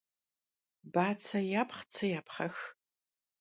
Batse yapxh, tsı yapxhex.